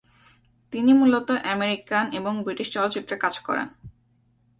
তিনি মূলত আমেরিকান এবং ব্রিটিশ চলচ্চিত্রে কাজ করেন।